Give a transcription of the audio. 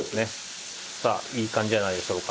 さあいい感じじゃないでしょうか